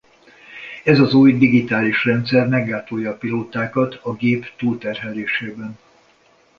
Ez az új digitális rendszer meggátolta a pilótákat a gép túlterhelésében.